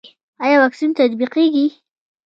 آیا واکسین تطبیقیږي؟